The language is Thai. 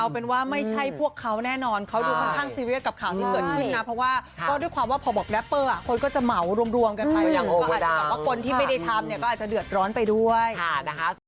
เพราะว่าด้วยความว่าพอบอกแรปเปอร์คนก็จะเหมารวมกันไปคนที่ไม่ได้ทำก็อาจจะเดือดร้อนไปด้วย